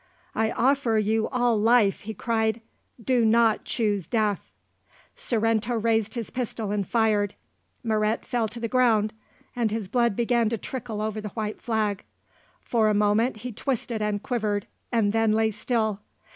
"I offer you all life," he cried; "do not choose death." Sorrento raised his pistol and fired. Moret fell to the ground, and his blood began to trickle over the white flag. For a moment he twisted and quivered, and then lay still.